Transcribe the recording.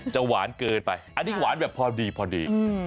จะหวานเกินไปอันนี้หวานแบบพอดี